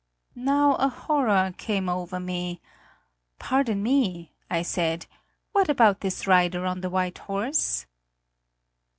Now a horror came over me. "Pardon me!" I said. "What about this rider on the white horse?"